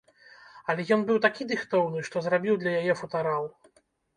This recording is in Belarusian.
Але ён быў такі дыхтоўны, што зрабіў для яе футарал.